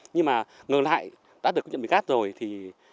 nhưng mà ngừng lại đã được chăm sóc cát rồi thì